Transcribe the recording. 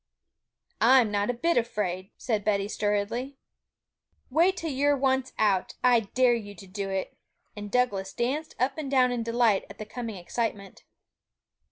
'I'm not a bit afraid,' said Betty sturdily. 'You wait till you're once out. I dare you to do it!' And Douglas danced up and down in delight at the coming excitement.